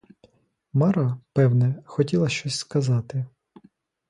Мара, певне, хотіла щось сказати.